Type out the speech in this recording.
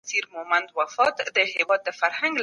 که د ځان او کورنۍ خدمت د هغې له شان سره مناسب نه وه.